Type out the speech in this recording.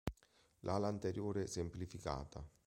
L’ala anteriore semplificata.